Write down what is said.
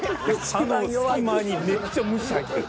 あの隙間にめっちゃ虫入ってる。